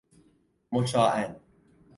مشاعاً